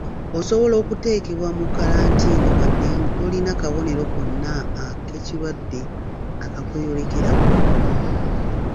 Osobola okuteekebwa mu kkalantiini wadde nga tolina kabonero konna ak’ekirwadde akakweyolekerako.